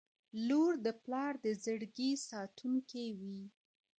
• لور د پلار د زړګي ساتونکې وي.